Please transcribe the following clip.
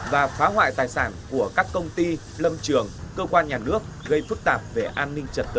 và phá hoại tài sản của các công ty lâm trường cơ quan nhà nước gây phức tạp về an ninh trật tự